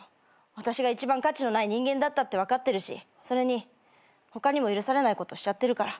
私が一番価値のない人間だったって分かってるしそれに他にも許されないことしちゃってるから。